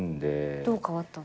どう変わったの？